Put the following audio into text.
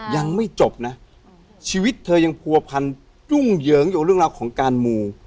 ยังไม่จบนะชีวิตเธอยังผัวพันตรุงเยิ้งอยู่กับเรื่องเรื่องของการหมู่